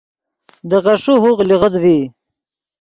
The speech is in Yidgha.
دے غیݰے ہوغ لیغت ڤی